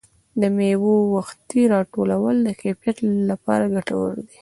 د مېوو وختي راټولول د کیفیت لپاره ګټور دي.